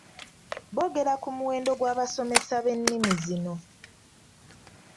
Bongera ku muwendo gw'abasomesa b'ennimi zino.